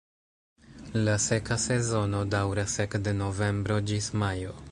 La seka sezono daŭras ekde novembro ĝis majo.